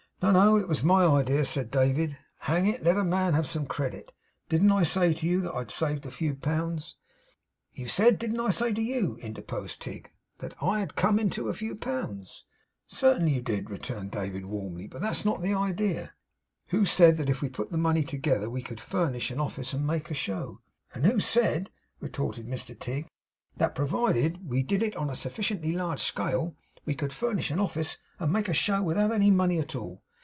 'No, no. It was my idea,' said David. 'Hang it, let a man have some credit. Didn't I say to you that I'd saved a few pounds? ' 'You said! Didn't I say to you,' interposed Tigg, 'that I had come into a few pounds?' 'Certainly you did,' returned David, warmly, 'but that's not the idea. Who said, that if we put the money together we could furnish an office, and make a show?' 'And who said,' retorted Mr Tigg, 'that, provided we did it on a sufficiently large scale, we could furnish an office and make a show, without any money at all?